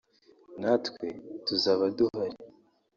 natwe tuzaba duhari